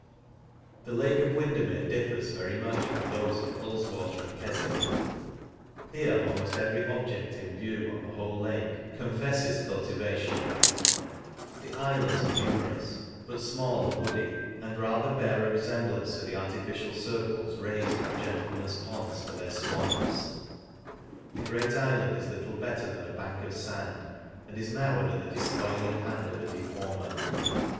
The lake of Windermere differs very much from thofe of Uls vjater and Kefwick ; here almoft every object in view, on the whole lake, confefles culti vation ; the iilands are numerous, but fmall and woody, and rather bear a refemblance to the artifi cial circles raifed on gentlemen's ponds for their fwans. The great ifland is little better than a bank of fand, and is now under the defpoiling hand of a deformer.